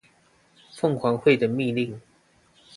鳳凰會的密令